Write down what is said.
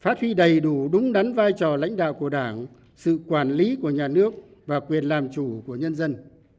phát huy đầy đủ đúng đắn vai trò lãnh đạo của đảng sự quản lý của nhà nước và quyền làm chủ của nhân dân